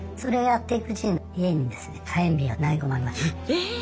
えっ！